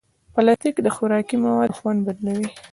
پلاستيک د خوراکي موادو خوند بدلوي.